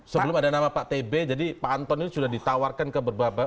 sebelum ada nama pak tb jadi pak anton ini sudah ditawarkan ke berbagai